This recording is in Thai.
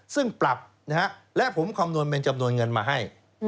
ซึ่งปรับและผมคำนวณเป็นจำนวนเงินมาให้